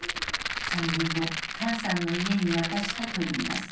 ３年後管さんの家に渡したといいます。